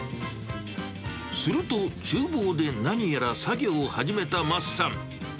すると、ちゅう房で何やら作業を始めたマスさん。